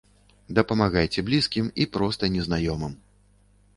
Дапамагайце блізкім і проста незнаёмым.